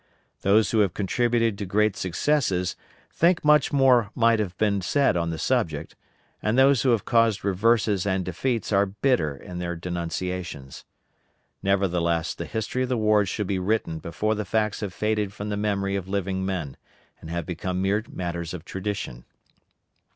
Those who have contributed to great successes think much more might have been said on the subject, and those who have caused reverses and defeats are bitter in their denunciations. Nevertheless, the history of the war should be written before the facts have faded from the memory of living men, and have become mere matters of tradition.